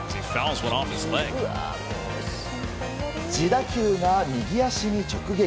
自打球が右足に直撃。